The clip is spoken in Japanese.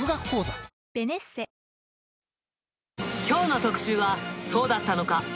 きょうの特集は、そうだったのか！